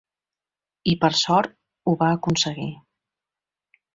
I, per sort, ho va aconseguir.